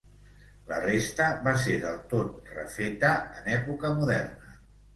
La resta va ser del tot refeta en època moderna.